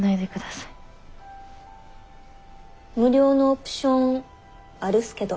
無料のオプションあるっすけど。